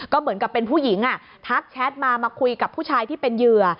ก็เหมือนกับเป็นผู้หญิงทักแชทมามาคุยกับผู้ชายที่เป็นเหยื่อ